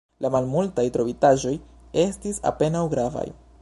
La malmultaj trovitaĵoj estis apenaŭ gravaj.